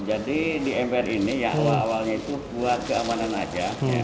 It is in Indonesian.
jadi di ember ini ya awalnya itu buat keamanan aja